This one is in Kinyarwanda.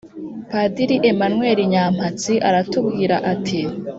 padiri emmanuel nyampatsi aratubwira ati: “